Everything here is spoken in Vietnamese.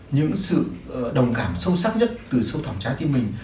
những sự đồng cảm sâu sắc nhất từ sâu thẳm trái tim mình